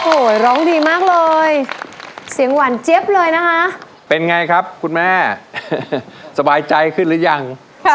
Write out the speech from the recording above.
โอ้โหร้องดีมากเลยเสียงหวานเจี๊ยบเลยนะคะเป็นไงครับคุณแม่สบายใจขึ้นหรือยัง